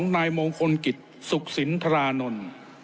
นายมงคลกิจสุขสินทรานนท์